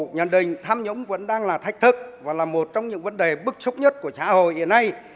nhận định tham nhũng vẫn đang là thách thức và là một trong những vấn đề bức xúc nhất của xã hội hiện nay